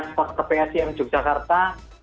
sporter pasm yogyakarta